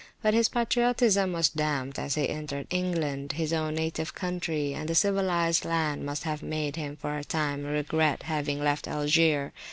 But his patriotism was damped as he entered England, his own native country, and the civilised land must have made him for a time regret having left Algier.